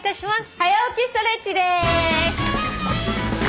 「はや起きストレッチ」です！